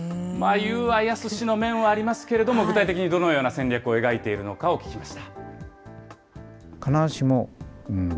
言うは易しの面はありますけれども、具体的にどのような戦略を描いているのかを聞きました。